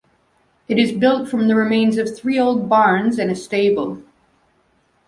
It is built from the remains of three old barns and a stable.